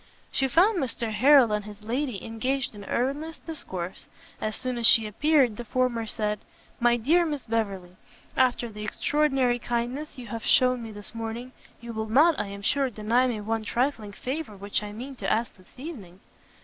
She found Mr Harrel and his lady engaged in earnest discourse; as soon as she appeared, the former said, "My dear Miss Beverley, after the extraordinary kindness you have shewn me this morning, you will not, I am sure, deny me one trifling favour which I mean to ask this evening."